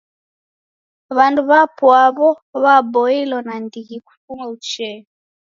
W'andu w'apwaw'o w'aboilo nandighi kufuma uchee.